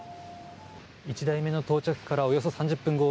１台目の到着からおよそ３０分後